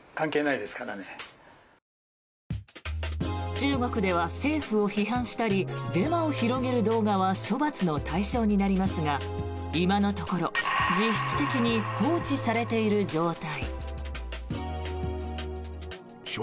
中国では、政府を批判したりデマを広げる動画は処罰の対象になりますが今のところ実質的に放置されている状態。